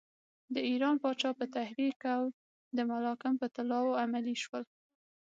د ایران پاچا په تحریک او د مالکم په طلاوو عملی شول.